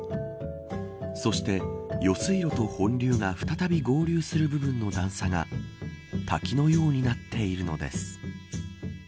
そして余水路と本流が再び合流する部分の段差が滝のようになっているのです。